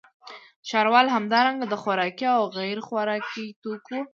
ښاروال همدارنګه د خوراکي او غیرخوراکي توکو